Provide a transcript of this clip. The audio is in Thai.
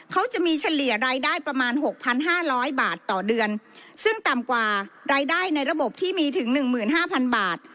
เขาจะมีเฉลี่ยรายได้ประมาณ๖๕๐๐บาทต่อเดือนซึ่งต่ำกว่ารายได้ในระบบที่มีถึง๑๕๐๐๐บาท